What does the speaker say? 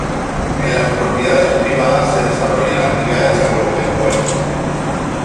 En las propiedades privadas se desarrollan actividades agropecuarias.